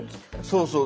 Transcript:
そうそう。